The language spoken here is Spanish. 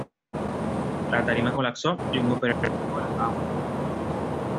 La tarima colapsó, y un operario cayó a las aguas del estrecho.